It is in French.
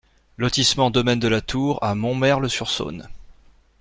Lotissement Domaine de la Tour à Montmerle-sur-Saône